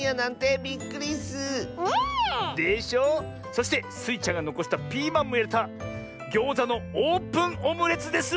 そしてスイちゃんがのこしたピーマンもいれたギョーザのオープンオムレツです！